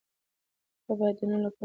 ته بايد نن له کورنۍ سره تفريح وکړې.